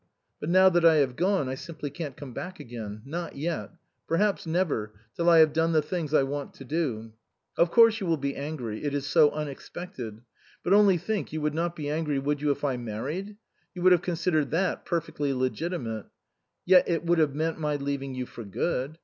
But now that I have gone I simply can't come back again. Not yet. Perhaps never, till I have done the things I want to do. " Of course you will be angry it is so unex pected. But only think you would not be angry, would you, if I married? You would have considered that perfectly legitimate. Yet it would have meant my leaving you for good.